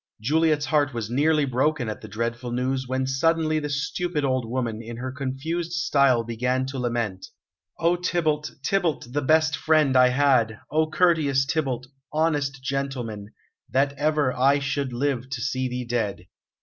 Juliet's heart was nearly broken at the dreadful news, when suddenly the stupid old woman, in her confused style began to lament: "O Tybalt, Tybalt, the best friend I had! O courteous Tybalt! Honest gentleman! That ever I should live to see thee dead!"